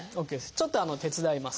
ちょっと手伝います。